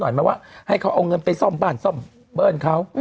หมายความว่าให้เขาเอาเงินไปซ่อมบ้านซ่อมเบิ้ลเขา